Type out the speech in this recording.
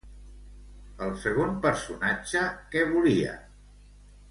El segon personatge, què volia?